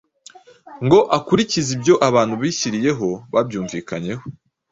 ngo akurikize ibyo abantu bishyiriyeho babyumvikanyeho.